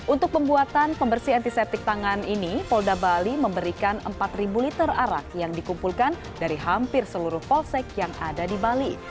untuk pembuatan pembersih antiseptik tangan ini polda bali memberikan empat liter arak yang dikumpulkan dari hampir seluruh polsek yang ada di bali